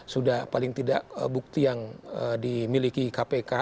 sudah paling tidak bukti yang dimiliki kpk